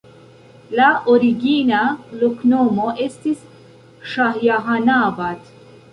La origina loknomo estis Ŝahjahanabad.